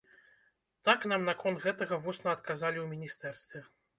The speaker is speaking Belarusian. Так нам наконт гэтага вусна адказалі ў міністэрстве.